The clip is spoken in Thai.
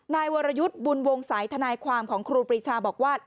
นายวรยุทธ์บุญวงศัยทนายความของครูปรีชาบอกว่า